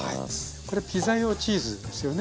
これピザ用チーズですよね。